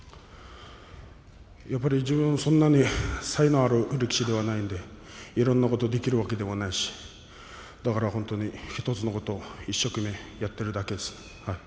やっぱり自分はそんなに才能がある力士ではないのでいろんなことができるわけではないしだから本当に１つのことを一生懸命やっているだけです。